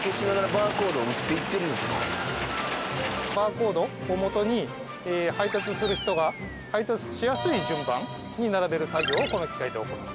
バーコードを元に配達する人が配達しやすい順番に並べる作業をこの機械で行う。